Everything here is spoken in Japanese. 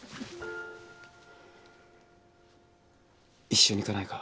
一緒に行かないか？